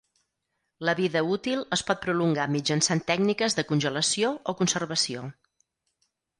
La vida útil es pot prolongar mitjançant tècniques de congelació o conservació.